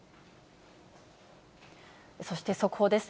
そして速報です。